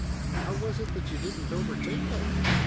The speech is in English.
"How was it that you didn't overtake us?"